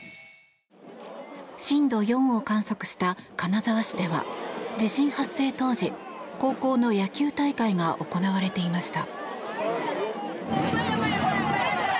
震度４を観測した金沢市では地震発生当時高校の野球大会が行われていました。